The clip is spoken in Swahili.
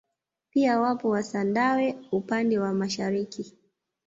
Pia wapo wasandawe upande wa mashariki